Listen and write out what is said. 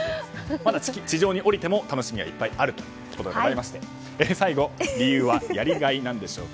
まだ地上に降りても楽しみがいっぱいあるということでございまして最後、理由はやりがいなんでしょうか。